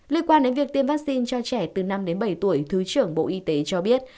liên quan đến việc tiêm vaccine cho trẻ từ năm đến bảy tuổi thứ trưởng bộ y tế cho biết